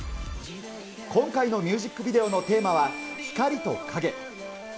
今回のミュージックビデオのテーマは光と影。